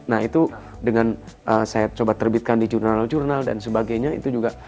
nah itu dengan saya coba terbitkan di jurnal jurnal dan sebagainya itu juga